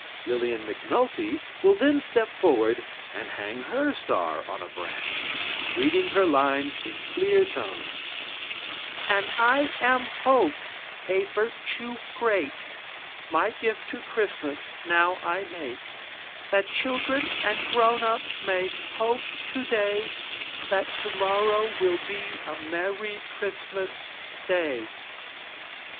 Lillian McNulty will then step forward and hang her star on a branch, reading her lines in clear tones: "_And I am Hope, a virtue great, My gift to Christmas now I make, That children and grown ups may hope today That tomorrow will be a merry Christmas Day_."